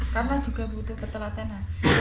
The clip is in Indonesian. karena juga butuh ketelatenan